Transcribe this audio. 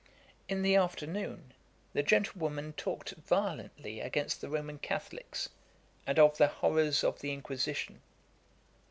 In the afternoon the gentlewoman talked violently against the Roman Catholicks, and of the horrours of the Inquisition.